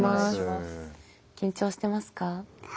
緊張してますか？